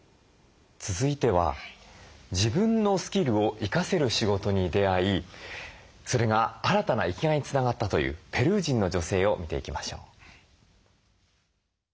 続いては自分のスキルを生かせる仕事に出会いそれが新たな生きがいにつながったというペルー人の女性を見ていきましょう。